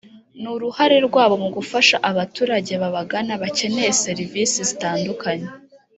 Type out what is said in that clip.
ni uruhare rwabo mu gufasha abaturage babagana bakeneye serivisi zitandukanye